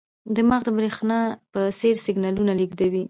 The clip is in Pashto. دماغ د برېښنا په څېر سیګنالونه لېږدوي.